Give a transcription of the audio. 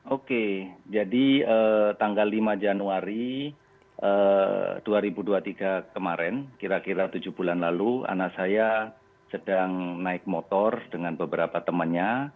oke jadi tanggal lima januari dua ribu dua puluh tiga kemarin kira kira tujuh bulan lalu anak saya sedang naik motor dengan beberapa temannya